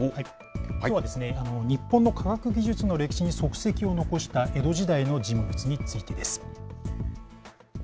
きょうは、日本の科学技術の歴史に足跡を残した江戸時代の人物についてです。